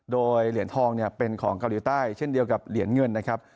โดยเหรียญทองเป็นของเกาหลีใต้เช่นเดียวกับเหรียญเงินนะครับ